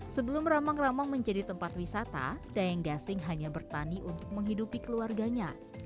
sebelum ramang ramang menjadi tempat wisata dayeng gasing hanya bertani untuk menghidupi keluarganya